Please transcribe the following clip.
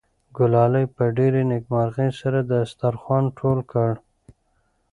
ګلالۍ په ډېرې نېکمرغۍ سره دسترخوان ټول کړ.